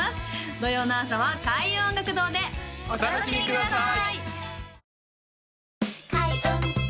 土曜の朝は開運音楽堂でお楽しみください！